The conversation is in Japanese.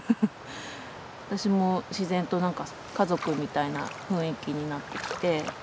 私も自然となんかその家族みたいな雰囲気になってきて。